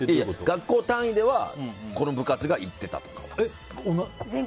学校単位ではこの部活が行ってたとか。